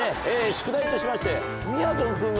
宿題としまして。